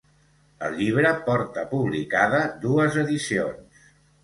El llibre porta publicada dues edicions.